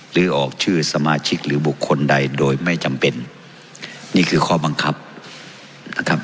หรือออกชื่อสมาชิกหรือบุคคลใดโดยไม่จำเป็นนี่คือข้อบังคับนะครับ